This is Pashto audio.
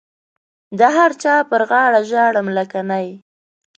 د هر چا پر غاړه ژاړم لکه نی.